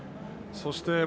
そして、